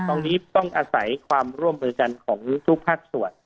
ตรงนี้ต้องอาศัยความร่วมมือกันของทุกภาคส่วน